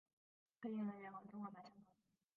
配音人员和动画版相同。